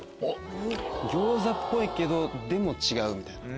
餃子っぽいけどでも違うみたいな。